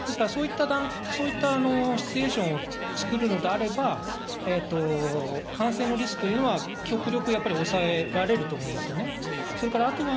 そういったシチュエーションを作るのであれば、感染のリスクというのは極力抑えられると思います。